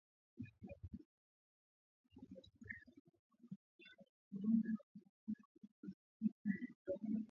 Mafuriko katika baadhi ya maeneo ya Bugisu na Mbale yalisababisha vifo vya watu kumi siku ya Jumapili, wizara inayosimamia maandalizi ya maafa